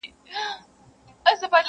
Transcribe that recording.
بې دلیله څارنواله څه خفه وي,